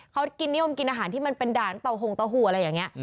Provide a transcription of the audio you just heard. เขากินนิยมกินอาหารที่มันเป็นด่านต่อหงเต่าหูอะไรอย่างนี้